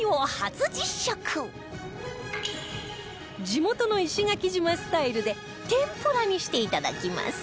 地元の石垣島スタイルで天ぷらにしていただきます